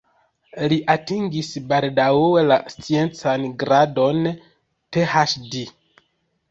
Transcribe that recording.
Li atingis baldaŭe la sciencan gradon PhD.